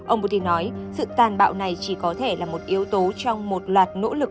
ông putin nói sự tàn bạo này chỉ có thể là một yếu tố trong một loạt nỗ lực